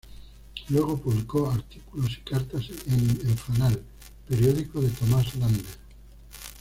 Luego, publicó artículos y cartas en "El Fanal", periódico de Tomás Lander.